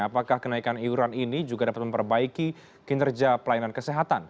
apakah kenaikan iuran ini juga dapat memperbaiki kinerja pelayanan kesehatan